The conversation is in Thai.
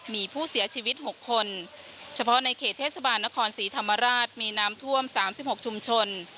มีผู้เสียชีวิต๖คนเฉพาะในเขตเทศบาลนครศรีธรรมราชมีน้ำท่วม๓๖ชุมชน